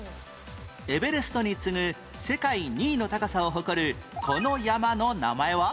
エベレストに次ぐ世界２位の高さを誇るこの山の名前は？